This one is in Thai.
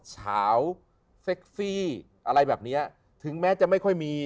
เฉาเซ็กซี่อะไรแบบเนี้ยถึงแม้จะไม่ค่อยมี